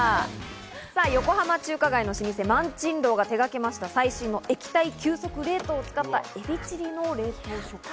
横浜中華街の老舗・萬珍樓が手がけました最新の液体急速冷凍を使ったエビチリの冷凍食品。